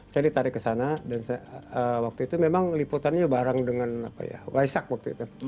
saya ditarik ke sana dan waktu itu memang liputannya bareng dengan waisak waktu itu